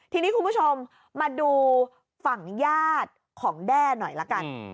ทีนี้คุณผู้ชมมาดูฝั่งญาติของแด้หน่อยละกัน